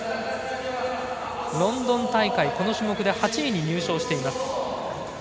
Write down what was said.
ロンドン大会、この種目で８位に入賞しています。